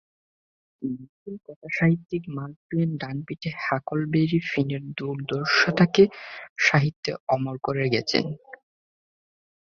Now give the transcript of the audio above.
মার্কিন কথাসাহিত্যিক Mark Twain ডানপিটে হাকলবেরি ফিনের দুর্ধর্ষতাকে সাহিত্যে অমর করে গেছেন।